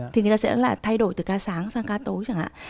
thì người ta sẽ là thay đổi từ ca sáng sang ca tối chẳng hạn